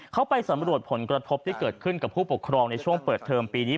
เขาไปสำรวจผลกระทบที่เกิดขึ้นกับผู้ปกครองในช่วงเปิดเทอมปีนี้